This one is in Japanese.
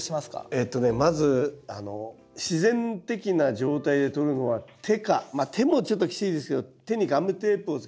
えっとねまず自然的な状態で捕るのは手かまあ手もちょっときついですけど手にガムテープをつけて捕るか。